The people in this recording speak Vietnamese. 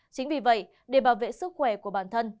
chính vì vậy để bảo vệ sức khỏe của bản thân